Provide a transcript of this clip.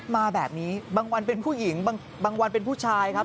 มาแบบนี้บางวันเป็นผู้หญิงบางวันเป็นผู้ชายครับ